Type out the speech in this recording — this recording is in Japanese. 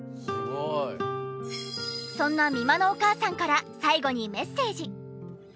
そんな美馬のお母さんから最後にメッセージ。